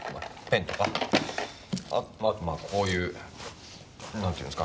あとまあこういうなんていうんですか？